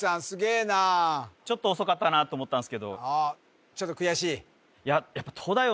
すげえなちょっと遅かったなと思ったんすけどちょっと悔しい？